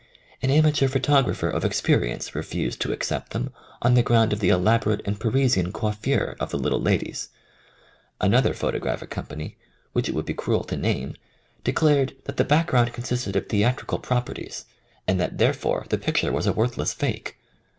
An amateur photographer of ex perience refused to accept them on the ground of the elaborate and Parisian coif fure of the little ladies. Another photo graphic company, which it would be cruel to 44 THE FIRST PUBLISHED ACCOUNT name, declared that the background con sisted of theatrical properties, and that therefore the picture was a worthless fake.